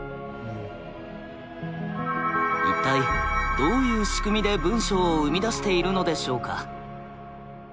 一体どういう仕組みで文章を生み出しているのでしょうか？